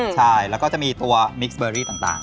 ใช่แล้วก็จะมีตัวมิกซ์เบอรี่ต่าง